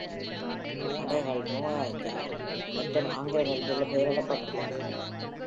கடைகள் நவாஜோ மற்றும் ஆங்கிலம் இரண்டிலும் பெயரிடப்பட்டுள்ளன.